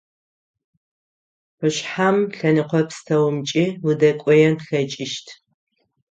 Къушъхьэм лъэныкъо пстэумкӏи удэкӏоен плъэкӏыщт.